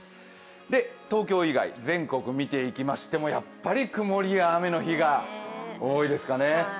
東京以外、全国を見ていきましてもやっぱり曇りや雨の日が多いですかね。